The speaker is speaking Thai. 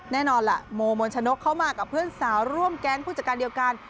แน่นอนล่ะโมมนชนกเข้ามากับเพื่อนสาวร่วมแก๊งผู้จัดการเดียวกัน